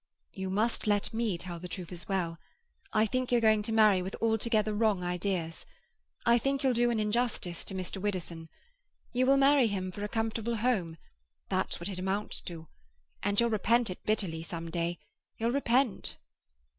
"You must let me tell the truth as well. I think you're going to marry with altogether wrong ideas. I think you'll do an injustice to Mr. Widdowson. You will marry him for a comfortable home—that's what it amounts to. And you'll repent it bitterly some day—you'll repent."